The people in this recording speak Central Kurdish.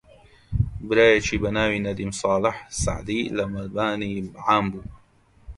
برایەکی بە ناوی نەدیم ساڵح سەعدی لە مەبانی عام بوو